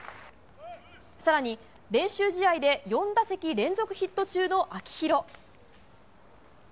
更に、練習試合で４打席連続ヒット中の秋広。